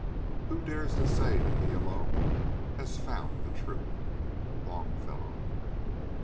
Who dares To say that he alone has found the truth. LONGFELLOW.